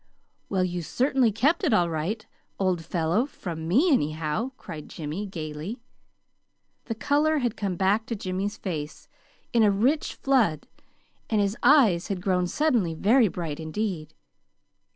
"Well, you certainly kept it all right, old fellow from me, anyhow," cried Jimmy, gayly. The color had come back to Jimmy's face in a rich flood, and his eyes had grown suddenly very bright indeed.